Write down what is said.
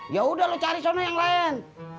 yaudah lo cari sana yang lain